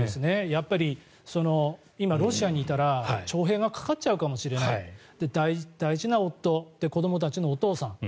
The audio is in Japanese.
やっぱり今、ロシアにいたら徴兵がかかっちゃうかもしれない大事な夫、子どもたちのお父さん